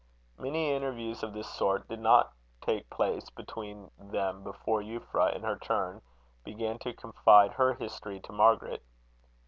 Many interviews of this sort did not take place between them before Euphra, in her turn, began to confide her history to Margaret.